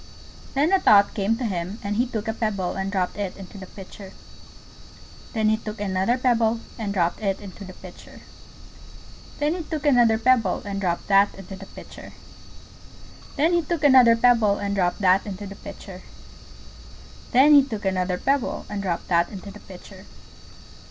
Then a thought came to him, and he took a pebble and dropped it into the Pitcher. Then he took another pebble and dropped it into the Pitcher. Then he took another pebble and dropped that into the Pitcher. Then he took another pebble and dropped that into the Pitcher. Then he took another pebble and dropped that into the Pitcher.